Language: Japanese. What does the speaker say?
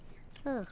うん。